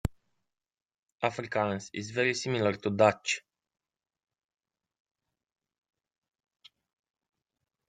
Afrikaans is very similar to Dutch.